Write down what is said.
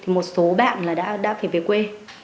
thì một số bạn là đã về quê